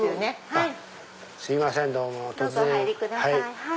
はい。